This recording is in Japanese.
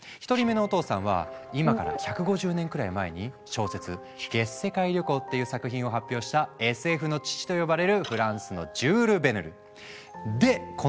１人目のお父さんは今から１５０年くらい前に小説「月世界旅行」っていう作品を発表した「ＳＦの父」と呼ばれるフランスのジュール・ヴェルヌ。